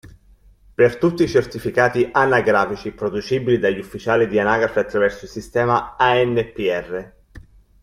Per tutti i certificati anagrafici producibili dagli ufficiali di anagrafe attraverso il sistema ANPR.